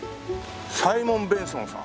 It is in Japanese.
サイモン・ベンソンさん。